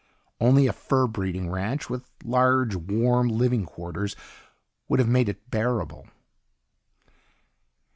Only a fur breeding ranch, with large, warm living quarters, would have made it bearable.